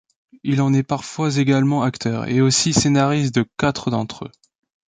Il en est parfois également acteur, et aussi scénariste de quatre d'entre eux.